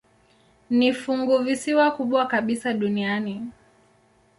Ni funguvisiwa kubwa kabisa duniani.